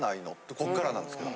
こっからなんですけど。